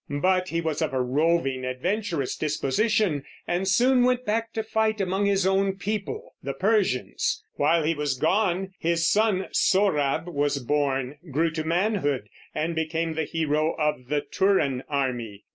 But he was of a roving, adventurous disposition, and soon went back to fight among his own people, the Persians. While he was gone his son Sohrab was born, grew to manhood, and became the hero of the Turan army.